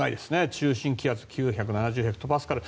中心気圧９７０ヘクトパスカル。